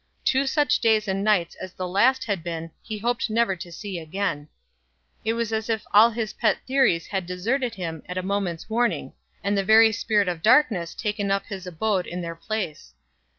Two such days and nights as the last had been he hoped never to see again. It was as if all his pet theories had deserted him at a moment's warning, and the very spirit of darkness taken up his abode in their place.